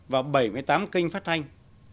và bảy mươi tám kênh phát thanh